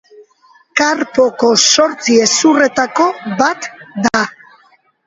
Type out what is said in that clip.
Karpoko zortzi hezurretako bat da.